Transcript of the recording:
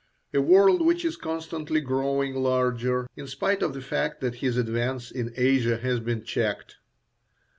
A world which is constantly growing larger in spite of the fact that his advance in Asia has been checked.